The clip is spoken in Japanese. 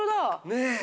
ねえ。